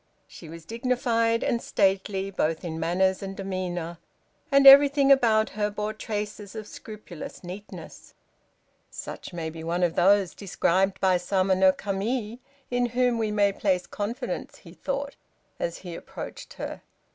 She was dignified and stately, both in manners and demeanor, and everything about her bore traces of scrupulous neatness. "Such may be one of those described by Sama no Kami, in whom we may place confidence," he thought, as he approached her.